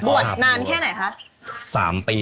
นานแค่ไหนคะ